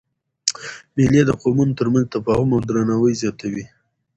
مېلې د قومونو تر منځ تفاهم او درناوی زیاتوي.